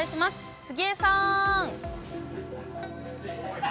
杉江さん。